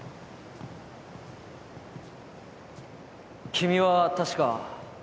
君は確か。